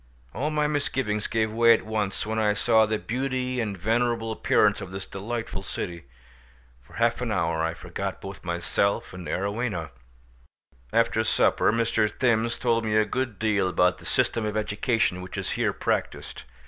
All my misgivings gave way at once when I saw the beauty and venerable appearance of this delightful city. For half an hour I forgot both myself and Arowhena. After supper Mr. Thims told me a good deal about the system of education which is here practised.